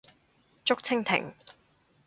竹蜻蜓